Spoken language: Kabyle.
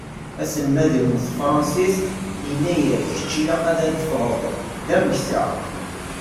Aselmad-iw n tefransist yenna-k: Kečč ilaq ad d-teffɣeḍ d ameksa.